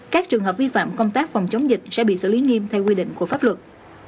các trường hợp vi phạm công tác phòng chống dịch sẽ bị xử lý nghiêm theo quy định của pháp luật